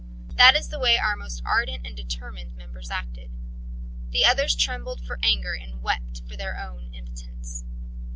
That is the way our most ardent and determined members acted. The others trembled for anger and wept for their own impotence.